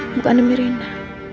bukan demi rina